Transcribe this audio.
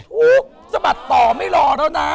ฮู้สบัดต่อไม่ล่อแล้วนะ